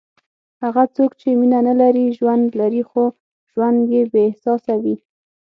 هغه څوک چې مینه نه لري، ژوند لري خو ژوند یې بېاحساسه وي.